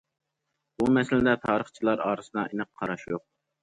بۇ مەسىلىدە تارىخچىلار ئارىسىدا ئېنىق قاراش يوق.